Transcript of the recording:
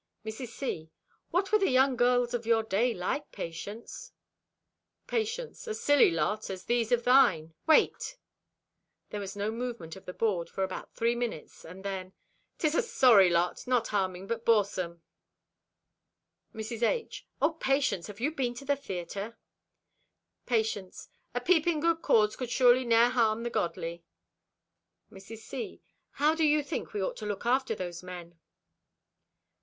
Mrs. C.—"What were the young girls of your day like, Patience?" Patience.—"A silly lot, as these of thine. Wait!" There was no movement of the board for about three minutes, and then: "'Tis a sorry lot, not harming but boresome!" Mrs. H.—"Oh, Patience, have you been to the theater?" Patience.—"A peep in good cause could surely ne'er harm the godly." Mrs. C.—"How do you think we ought to look after those men?"